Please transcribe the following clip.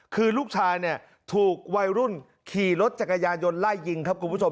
คือลูกชายเนี่ยถูกวัยรุ่นขี่รถจักรยานยนต์ไล่ยิงครับคุณผู้ชม